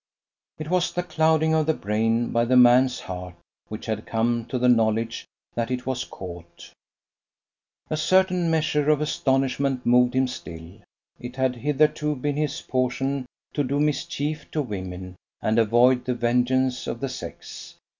It was the clouding of the brain by the man's heart, which had come to the knowledge that it was caught. A certain measure of astonishment moved him still. It had hitherto been his portion to do mischief to women and avoid the vengeance of the sex.